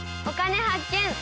「お金発見」。